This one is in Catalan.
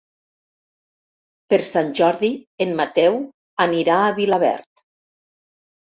Per Sant Jordi en Mateu anirà a Vilaverd.